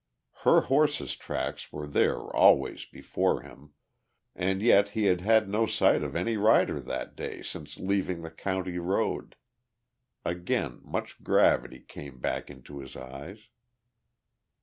Her horse's tracks were there always before him, and yet he had had no sight of any rider that day since leaving the county road. Again much gravity came back into his eyes.